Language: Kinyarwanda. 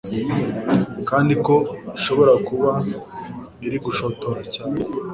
kandi ko ishobora kuba iri gushotora cyane